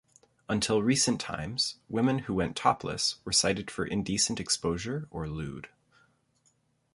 Until recent times, women who went topless were cited for indecent exposure or lewd.